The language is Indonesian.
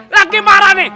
lagi marah nih